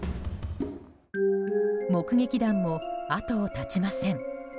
目撃談も後を絶ちません。